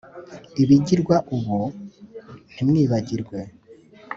ibigirwa ubu, ntimwibagirwe